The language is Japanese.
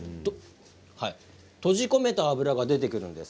閉じ込めた脂が出てくるんです。